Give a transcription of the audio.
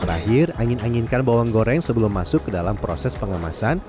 terakhir angin anginkan bawang goreng sebelum masuk ke dalam proses pengemasan